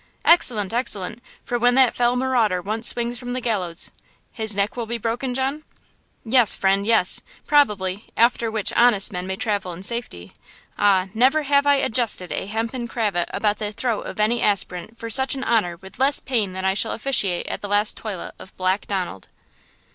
"'Excellent! excellent! For when that fell marauder once swings from the gallows–' "'His neck will be broken, John?' "'Yes, friend! yes, probably; after which honest men may travel in safety! Ah, never have I adjusted a hempen cravat about the throat of any aspirant for such an honor with less pain than I shall officiate at the last toilet of Black Donald!'